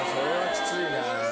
きついな。